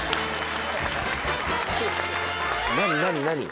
何？